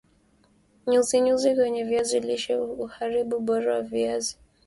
nyuzi nyuzi kwenye viazi lishe uharibu ubora wa viazi